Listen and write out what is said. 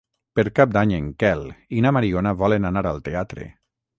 Per Cap d'Any en Quel i na Mariona volen anar al teatre.